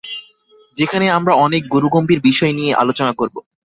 যেখানে আমরা অনেক গুরুগম্ভীর বিষয় নিয়ে আলোচনা করবো।